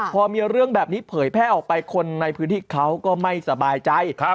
พอมีเรื่องแบบนี้เผยแพร่ออกไปคนในพื้นที่เขาก็ไม่สบายใจ